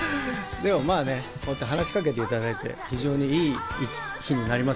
でも、まぁね、こうやって話しかけていただいて非常にいい日になります。